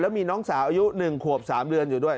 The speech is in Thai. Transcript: มีน้องสาวอายุ๑ขวบ๓เดือนอยู่ด้วย